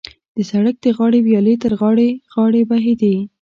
د سړک د غاړې ویالې تر غاړې غاړې بهېدې.